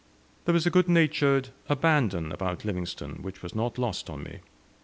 There is a good natured abandon about Livingstone which was not lost on me.